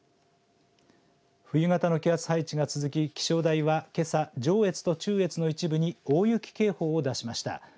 冬型の気圧配置が続き気象台は、けさ上越と中越の一部に大雪警報を出しました。